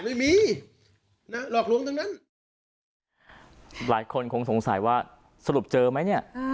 ไม่มีนะหลอกลวงทั้งนั้นหลายคนคงสงสัยว่าสรุปเจอไหมเนี่ย